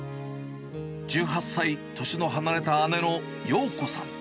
１８歳年の離れた姉のようこさん。